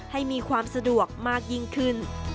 ให้มีความสะดวกมากยิ่งขึ้น